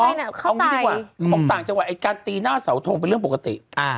เอาอย่างนี้ดีกว่าผมต่างจะว่าไอ้การตีหน้าเสาทมเป็นเรื่องปกติ